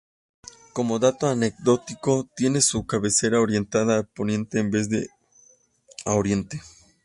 Como dato anecdótico, tiene su cabecera orientada a poniente en vez de a oriente.